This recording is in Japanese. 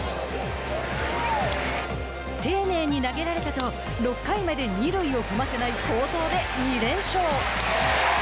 「丁寧に投げられた」と６回まで二塁を踏ませない好投で２連勝。